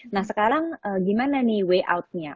nah sekarang gimana nih way out nya